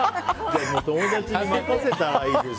友達に任せたらいいんですよ。